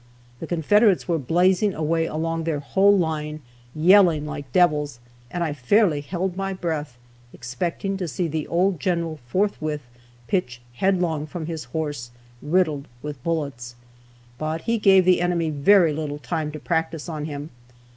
The Confederates were blazing away along their whole line, yelling like devils, and I fairly held my breath, expecting to see the old General forthwith pitch headlong from his horse, riddled with bullets. But he gave the enemy very little time to practice on him.